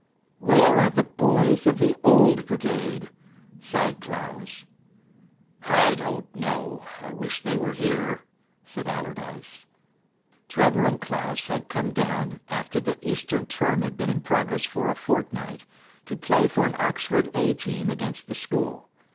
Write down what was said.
"Where are the boys of the Old Brigade?" sighed Clowes. "I don't know. I wish they were here," said Allardyce. Trevor and Clowes had come down, after the Easter term had been in progress for a fortnight, to play for an Oxford A team against the school.